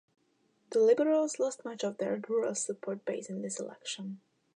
The Liberals lost much of their rural support base in this election.